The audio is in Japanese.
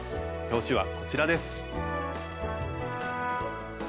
表紙はこちらです。